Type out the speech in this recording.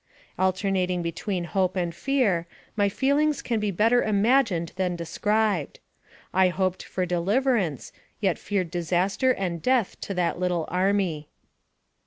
Alter nating between hope and fear, my feelings can be better imagined than described. I hoped for deliverance, yet feared disaster and death to that little army.